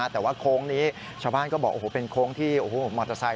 แต่ว่าโค้งนี้ชาวบ้านก็บอกโอ้โหเป็นโค้งที่มอเตอร์ไซค